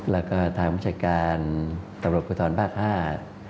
และก็ทางหักอาชารการตับกลพทนภาคห้าท